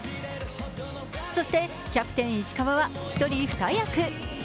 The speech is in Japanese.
そして、キャプテン・石川は一人二役。